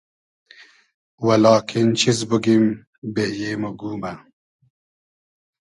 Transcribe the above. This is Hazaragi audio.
و لاکین چیز بوگیم بېیې مۉ گومۂ